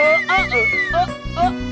orang orang bisa tahu di situ